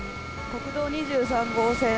国道２３号線